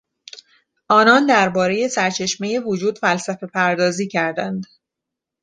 آنان دربارهی سرچشمهی وجود فلسفه پردازی کردند.